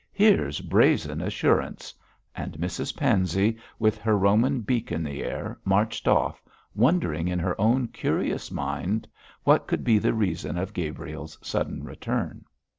here's brazen assurance,' and Mrs Pansey, with her Roman beak in the air, marched off, wondering in her own curious mind what could be the reason of Gabriel's sudden return.